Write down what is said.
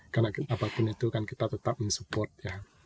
karena apapun itu kan kita tetap men support ya